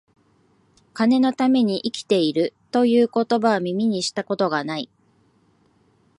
金のために生きている、という言葉は、耳にした事が無い